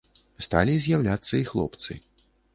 Сталі з'яўляцца і хлопцы.